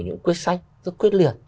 những quyết sách rất quyết liệt